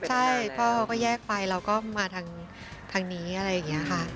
ใช่พ่อเขาก็แยกไปเราก็มาทางนี้อะไรอย่างนี้ค่ะ